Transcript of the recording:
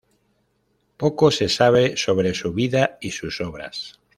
Poco se sabe sobre su vida y sus obras.